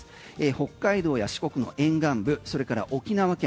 北海道や四国の沿岸部それから沖縄県